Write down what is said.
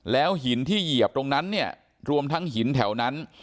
แล้วหินที่เหยียบตรงนั้นเนี่ยรวมทั้งหินแถวนั้น